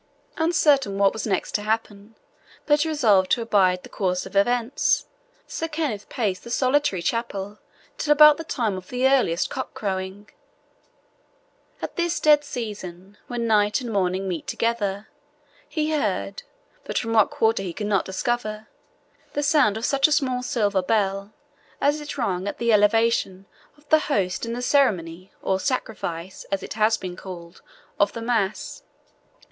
Uncertain what was next to happen, but resolved to abide the course of events, Sir Kenneth paced the solitary chapel till about the time of the earliest cock crowing. At this dead season, when night and morning met together, he heard, but from what quarter he could not discover, the sound of such a small silver bell as is rung at the elevation of the host in the ceremony, or sacrifice, as it has been called, of the mass.